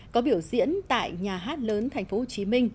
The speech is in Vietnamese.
có biểu diễn tại nhà hát lớn tp hcm